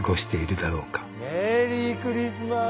メリークリスマス！